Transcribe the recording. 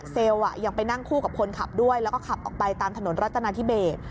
ยังไปนั่งคู่กับคนขับด้วยแล้วก็ขับออกไปตามถนนรัฐนาธิเบส